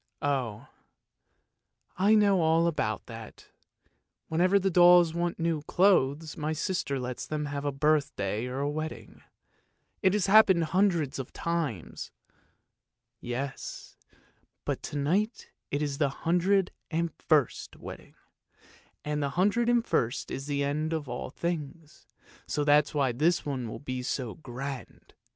" Oh, I know all about that ; whenever the dolls want new clothes my sister lets them have a birthday or a wedding. It has happened hundreds of times! "" Yes, but to night it's the hundred and first wedding, and the hundred and first is the end of all things, so that's why this one will be so grand.